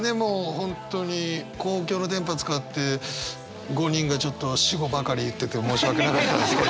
本当に公共の電波使って５人がちょっと私語ばかり言ってて申し訳なかったですけど。